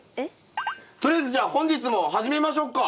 とりあえずじゃあ本日も始めましょっか。